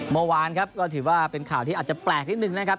เมื่อวานครับก็ถือว่าเป็นข่าวที่อาจจะแปลกนิดนึงนะครับ